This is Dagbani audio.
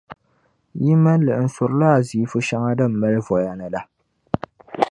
yi mali li n-surila aziifu shɛŋa din mali voya ni la.